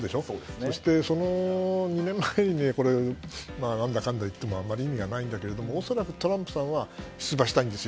そして、その２年前になんだかんだ言ってもあまり意味はないんですが恐らく、トランプさんは出馬したいんですよ。